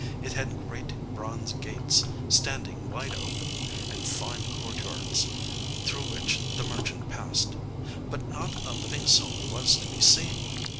It had great bronze gates, standing wide open, and fine court yards, through which the merchant passed; but not a living soul was to be seen.